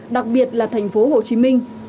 đặc biệt là thành phố hồ chí minh